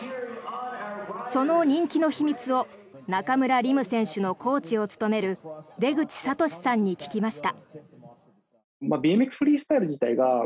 その人気の秘密を中村輪夢選手のコーチを務める出口智嗣さんに聞きました。